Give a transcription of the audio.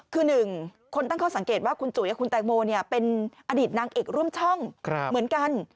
คือหนึ่งคนตั้งข้อสังเกตว่าคุณจุ๋ยกับคุณแตงโมเป็นอดีตนางเอกร่วมช่องเหมือนกัน